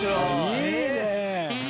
いいねえ！